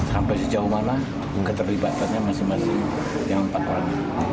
sampai sejauh mana keterlibatannya masing masing yang takut